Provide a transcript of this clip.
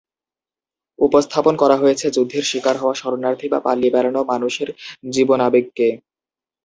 উপস্থাপন করা হয়েছে যুদ্ধের স্বীকার হওয়া শরণার্থী বা পালিয়ে বেড়ানো মানুষের জীবনাবেগকে।